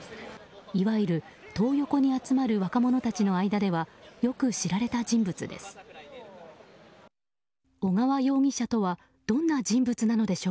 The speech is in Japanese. いわゆるトー横に集まる若者たちの間ではよく知られた人物です。